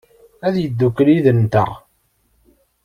Ad yeddukel yid-nteɣ?